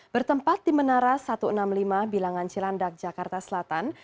bertempat di menara satu ratus enam puluh lima bilangan cilandak jakarta selatan